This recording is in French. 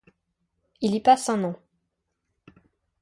Il y passe un an.